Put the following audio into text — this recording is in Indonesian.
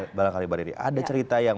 terakhir ada cerita yang